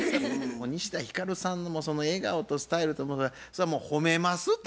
西田ひかるさんのその笑顔とスタイルと思えばそれはもう褒めますて。